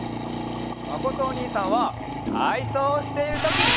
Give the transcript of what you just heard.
まことおにいさんはたいそうをしているとき。